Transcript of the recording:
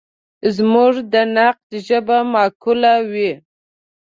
زموږ د نقد ژبه معقوله وي.